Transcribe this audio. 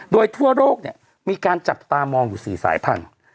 โดยทั่วโลกเนี่ยมีการจับตามองอยู่๔สายพันธุ์